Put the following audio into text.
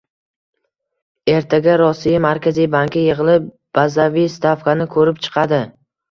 Ertaga Rossiya Markaziy banki yig'ilib, bazaviy stavkani ko'rib chiqadi